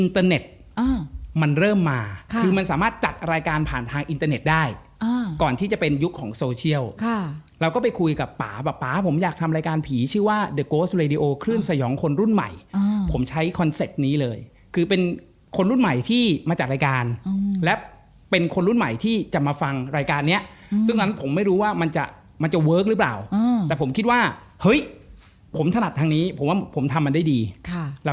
อธิบายให้ฟังหน่อยคนกลุ่มนี้เขายังไงล่ะฮะ